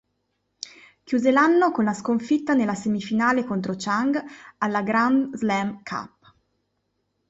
Chiuse l'anno con la sconfitta nella semifinale contro Chang alla Grand Slam Cup.